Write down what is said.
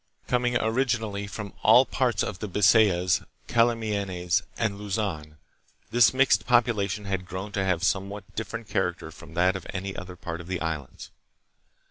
Coming originally from all parts of the Bisayas, Calamianes, and Luzon, this mixed population has grown to have a some what different character from that of any other part of the Islands.